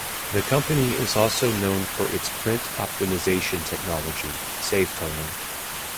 The company is also known for its print optimization technology, SaveToner.